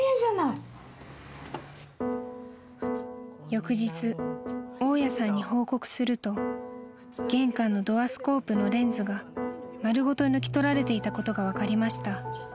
［翌日大家さんに報告すると玄関のドアスコープのレンズが丸ごと抜き取られていたことが分かりました］